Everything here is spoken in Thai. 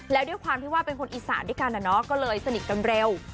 แล้วด้วยความที่ว่าเป็นคนอีสานด้วยกันก็เลยสนิทกันเร็ว